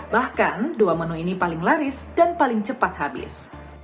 bahkan dua menu ini paling laris dan paling cepat habis